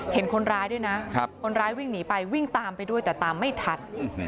เห็นคนร้ายด้วยนะคนร้ายวิ่งหนีไปวิ่งตามไปด้วยแต่ตามไม่ทัน